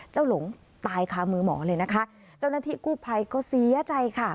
หลงตายคามือหมอเลยนะคะเจ้าหน้าที่กู้ภัยก็เสียใจค่ะ